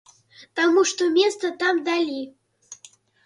Таму што месца там далі.